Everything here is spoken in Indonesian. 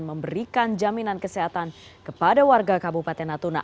memberikan jaminan kesehatan kepada warga kabupaten natuna